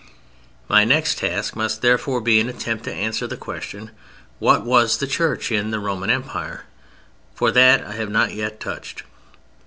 My next task must, therefore, be an attempt to answer the question, "What was the Church in the Roman Empire?" for that I have not yet touched.